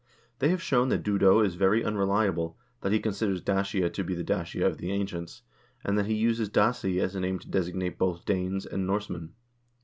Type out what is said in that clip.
7 They have shown that Dudo is very unreliable, that he considers Dacia to be the Dacia of the ancients, and that he uses Daci as a name to designate both Danes and Norsemen.